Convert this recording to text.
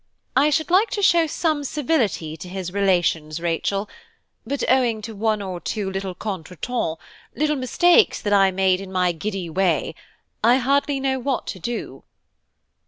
I should like to show some civility to his relations, Rachel; but owing to one or two little contretemps, little mistakes that I made in my giddy way, I hardly know what to do."